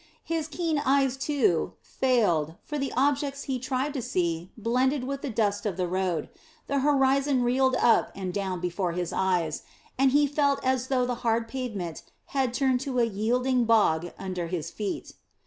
His keen eyes, too, failed, for the objects he tried to see blended with the dust of the road, the horizon reeled up and down before his eyes, and he felt as though the hard pavement had turned to a yielding bog under his feet.